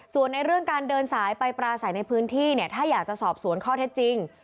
ส่วนในเรื่องการเดินสายไปปราศัยในพื้นที่เนี่ยถ้าอยากจะสอบสวนข้อเท็จจริง